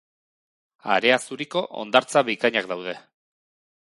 Harea zuriko hondartza bikainak daude.